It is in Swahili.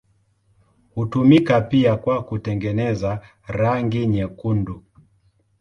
Hutumika pia kwa kutengeneza rangi nyekundu.